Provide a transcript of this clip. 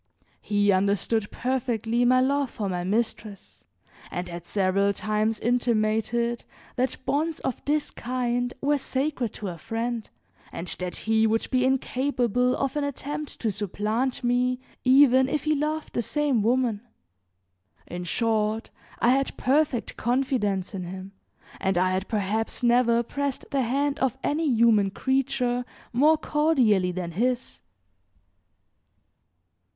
He understood perfectly my love for my mistress and had several times intimated that bonds of this kind were sacred to a friend, and that he would be incapable of an attempt to supplant me even if he loved the same woman. In short, I had perfect confidence in him and I had perhaps never pressed the hand of any human creature more cordially than his.